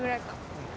うん。